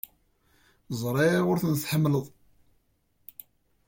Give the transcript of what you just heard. Ẓriɣ ur tent-tḥemmleḍ.